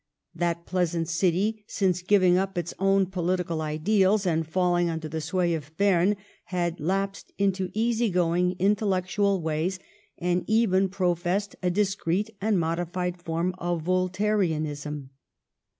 That pleasant city, since giving up its own political ideals and falling under the sway of Berne, had lapsed into easy going, intellectual ways, and even professed a dis creet and modified form of Voltairianism.